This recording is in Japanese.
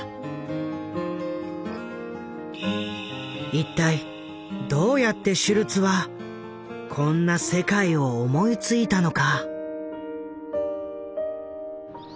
一体どうやってシュルツはこんな世界を思いついたのか？